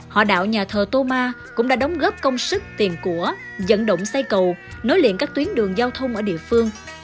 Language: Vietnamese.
hòa đạo nhà thờ tô ma cũng đã đóng góp công sức tiền của dẫn động xây cầu nối liện các tuyến đường giao thông ở địa phương